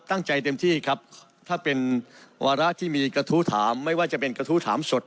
เต็มที่ครับถ้าเป็นวาระที่มีกระทู้ถามไม่ว่าจะเป็นกระทู้ถามสด